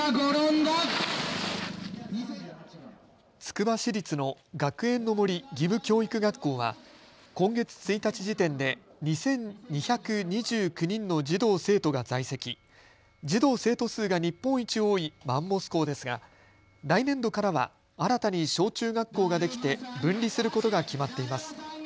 つくば市立の学園の森義務教育学校は今月１日時点で２２２９人の児童生徒が在籍、児童生徒数が日本一多いマンモス校ですが、来年度からは新たに小中学校ができて分離することが決まっています。